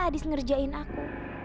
adis ngerjain aku